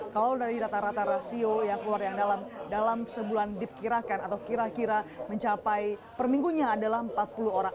kalau dari rata rata rasio yang keluar yang dalam sebulan diperkirakan atau kira kira mencapai perminggunya adalah empat puluh orang